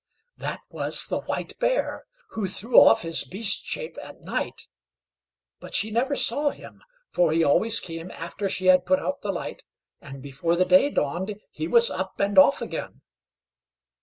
That was the White Bear, who threw off his beast shape at night; but she never saw him, for he always came after she had put out the light, and before the day dawned he was up and off again.